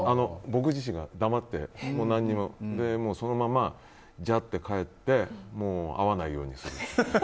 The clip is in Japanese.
僕自身が、黙って何も。そのままじゃあって帰ってもう会わないようにする。